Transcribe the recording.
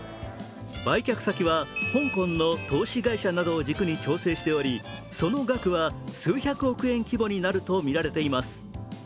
売却先は香港の投資会社などを軸に調整しており、その額は数百億円規模になるとみられています。